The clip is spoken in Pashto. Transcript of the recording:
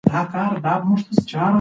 که تربیت وي نو بداخلاقي نه وي.